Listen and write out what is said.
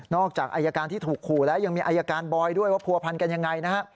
จากอายการที่ถูกขู่แล้วยังมีอายการบอยด้วยว่าผัวพันกันยังไงนะฮะ